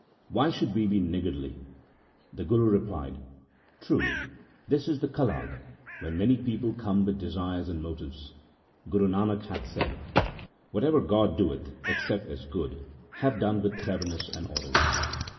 Why should we be niggardly ?' The Guru replied, 'True, but this is the Kalage when many persons come with desires and motives. Guru Nanak hath said :— "Whatever God doeth accept as good; have done with cleverness and orders."